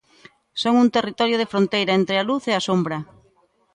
Son un territorio de fronteira, entre a luz e a sombra.